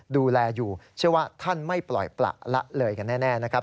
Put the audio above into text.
ดูแลอยู่เชื่อว่าท่านไม่ปล่อยประละเลยกันแน่นะครับ